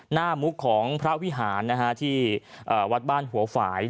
มุกของพระวิหารที่วัดบ้านหัวฝ่าย